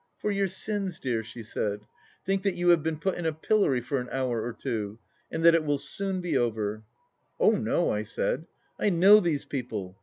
" For your sins, dear !" she said. " Think that you have been put in a pillory for an hour or two — and that it will soon be over !"" Oh, no," I said. " I know these people.